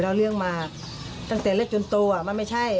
เรื่องมาตั้งแต่เล็กจนโตมันไม่ใช่